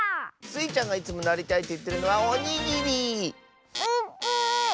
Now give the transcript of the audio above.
スイちゃんがいつもなりたいといってるのはおにぎり！